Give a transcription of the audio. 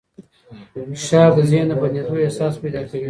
فشار د ذهن د بندېدو احساس پیدا کوي.